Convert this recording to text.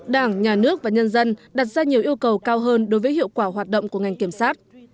đảng nhà nước và nhân dân đặt ra nhiều yêu cầu cao hơn đối với hiệu quả hoạt động của ngành kiểm sát